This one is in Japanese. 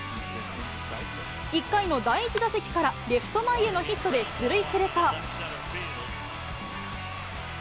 １回の第１打席からレフト前へのヒットで出塁すると。